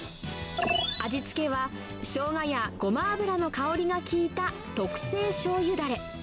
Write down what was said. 味付けは、しょうがやごま油の香りが効いた特製しょうゆだれ。